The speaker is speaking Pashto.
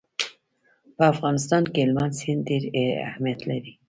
په افغانستان کې هلمند سیند ډېر اهمیت لري.